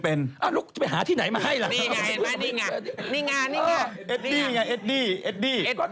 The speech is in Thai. ไปหาที่ไหนมาให้ละ